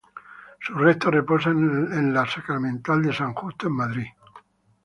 Sus restos reposan en la Sacramental de San Justo en Madrid.